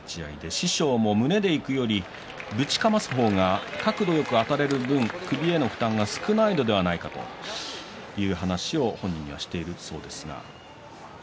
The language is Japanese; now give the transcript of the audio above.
師匠も胸でいくよりぶちかます方が角度よくあたるので首への負担が少ないのではないかという話をしていました。